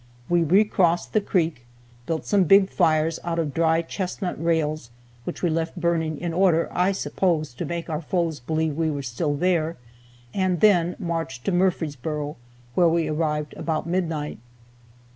We recrossed the creek, built some big fires out of dry chestnut rails, which we left burning, in order, I suppose, to make our foes believe we were still there, and then marched to Murfreesboro, where we arrived about midnight.